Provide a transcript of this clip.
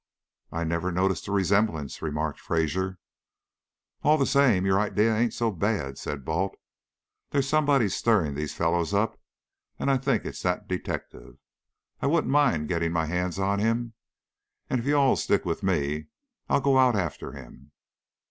"I never noticed the resemblance," remarked Fraser. "All the same, your idea ain't so bad," said Balt. "There's somebody stirring those fellows up, and I think it's that detective. I wouldn't mind getting my hands on him, and if you'll all stick with me I'll go out after him."